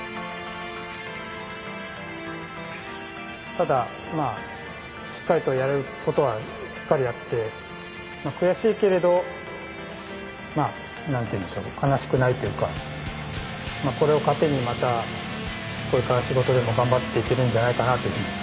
ただしっかりとやれることはしっかりやって悔しいけれどなんていうんでしょうか悲しくないというかこれを糧にまたこれから仕事でも頑張っていけるんじゃないかなというふうに。